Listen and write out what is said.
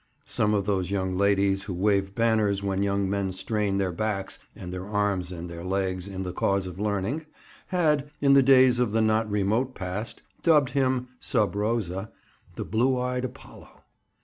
Some of those young ladies who wave banners when young men strain their backs and their arms and their legs in the cause of learning, had, in the days of the not remote past, dubbed him, sub rosa, the "blue eyed Apollo."